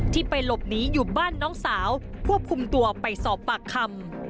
ที่ไปหลบหนีอยู่บ้านน้องสาวควบคุมตัวไปสอบปากคำ